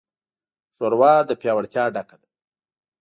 ښوروا له پیاوړتیا ډکه ده.